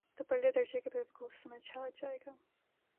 تو پرلے درجے کا بیوقوف سمجھا جائے گا۔